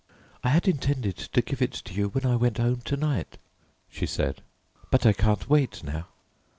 "I had intended to give it to you when I went home to night," she said, "but I can't wait now."